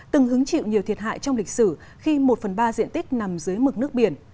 từng hứng chịu nhiều thiệt hại trong lịch sử khi một phần ba diện tích nằm dưới mực nước biển